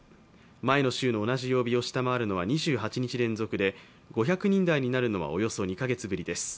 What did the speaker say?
前の週の同じ曜日を下回るのは２８日連続で５００人台になるのは、およそ２カ月ぶりです。